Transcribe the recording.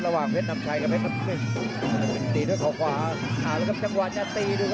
ระหว่างเพชรน้ำชัยกับเพชรน้ำหนึ่ง